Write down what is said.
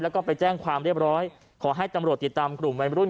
แล้วก็ไปแจ้งความเรียบร้อยขอให้ตำรวจติดตามกลุ่มวัยรุ่น